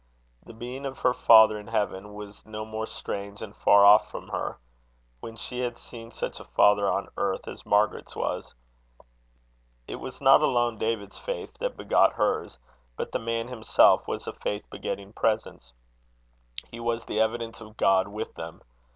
The being of her father in heaven was no more strange and far off from her, when she had seen such a father on earth as Margaret's was. It was not alone David's faith that begot hers, but the man himself was a faith begetting presence. He was the evidence of God with them.